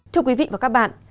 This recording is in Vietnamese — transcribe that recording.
thưa quý vị và các bạn